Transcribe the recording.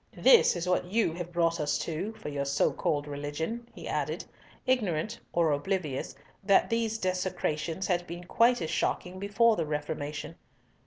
"This is what you have brought us to, for your so called religion," he added, ignorant or oblivious that these desecrations had been quite as shocking before the Reformation.